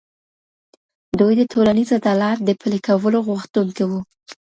دوی د ټولنيز عدالت د پلي کولو غوښتونکي وو.